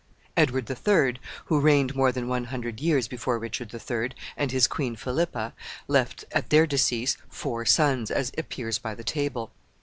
Edward the Third, who reigned more than one hundred years before Richard the Third, and his queen Philippa, left at their decease four sons, as appears by the table.